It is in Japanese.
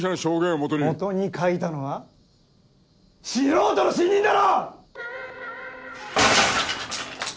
基に描いたのは素人の新任だろ‼